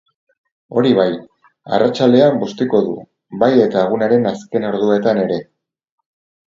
Hori bai, arratsaldean bustiko du, bai eta egunaren azken orduetan ere.